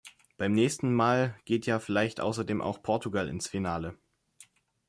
Beim nächsten Mal geht ja vielleicht außerdem auch Portugal ins Finale.